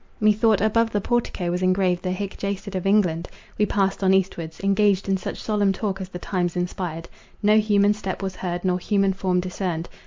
Methought above the portico was engraved the Hic jacet of England. We passed on eastwards, engaged in such solemn talk as the times inspired. No human step was heard, nor human form discerned.